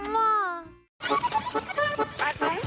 ม่ว